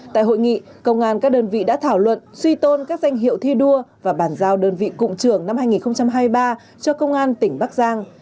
tại hội nghị công an các đơn vị đã thảo luận suy tôn các danh hiệu thi đua và bàn giao đơn vị cụm trưởng năm hai nghìn hai mươi ba cho công an tỉnh bắc giang